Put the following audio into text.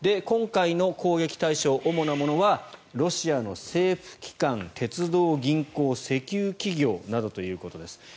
今回の攻撃対象、主なものはロシアの政府機関、鉄道、銀行石油企業などということです。